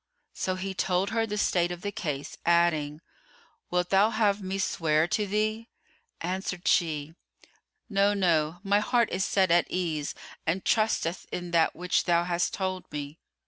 So he told her the state of the case, adding, "Wilt thou have me swear to thee?" Answered she, "No, no, my heart is set at ease and trusteth in that which thou hast told me."